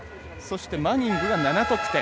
マニングは７得点。